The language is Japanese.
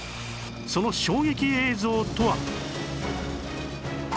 その衝撃映像とは